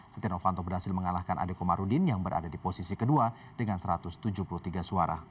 setia novanto berhasil mengalahkan adekomarudin yang berada di posisi kedua dengan satu ratus tujuh puluh tiga suara